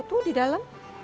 tuh di dalam